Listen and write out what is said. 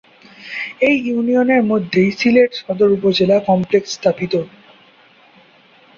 এই ইউনিয়নের মধ্যেই সিলেট সদর উপজেলা কমপ্লেক্স স্থাপিত।